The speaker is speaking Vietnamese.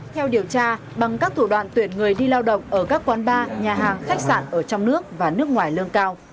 theo điều tra bằng các thủ đoạn tuyển người đi lao động ở các quán bar nhà hàng khách sạn ở trong nước và nước ngoài lương cao